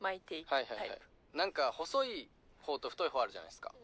はいはいなんか細い方と太い方あるじゃないですか。